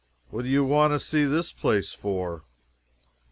What do you want to see this place for?"